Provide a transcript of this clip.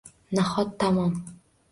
Nahot tamom